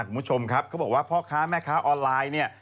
คุณผู้ชมครับเขาบอกว่าพ่อค้าแม่ค้าออนไลน์เนี่ย